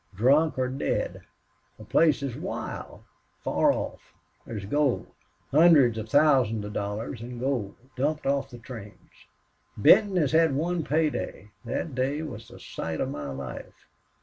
Drunk or dead. The place is wild far off. There's gold hundreds of thousands of dollars in gold dumped off the trains. Benton has had one payday. That day was the sight of my life!...